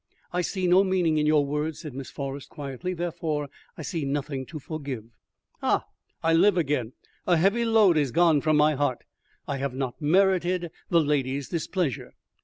"I see no meaning in your words," said Miss Forrest, quietly, "therefore I see nothing to forgive." "Ah, I live again. A heavy load is gone from my heart! I have not merited the lady's displeasure."